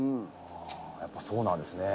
「ああやっぱそうなんですね」